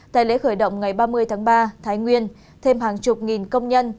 tại lễ khởi động ngày ba mươi tháng ba thái nguyên thêm hàng chục nghìn công nhân